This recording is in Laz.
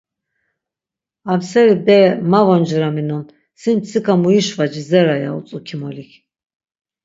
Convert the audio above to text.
Am seri bere ma vonciraminon, sin mtsika muişvaci Zera ya utzu kimolik.